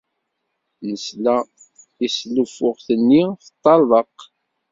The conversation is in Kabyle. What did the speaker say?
Nesla-as i tleffuɣt-nni teṭṭerḍeq.